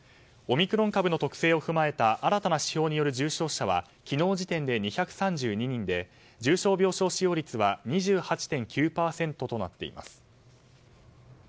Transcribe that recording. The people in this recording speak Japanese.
オミクロン株の特性を踏まえた新たな指標による重症者は昨日時点で２３２人で重症病床使用率は２８．９％となっています。